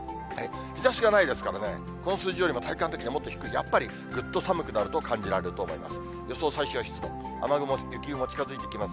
日ざしがないですからね、この数字よりも体感的にはもっと低い、やっぱりぐっと寒くなると感じられると思います。